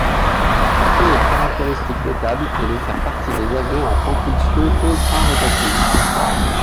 Sa première caractéristique notable est de faire partie des avions à propulsion contra-rotative.